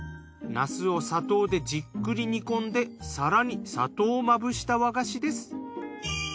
ナスを砂糖でじっくり煮込んで更に砂糖をまぶした和菓子です。